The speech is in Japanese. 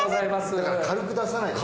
だから軽く出さないで。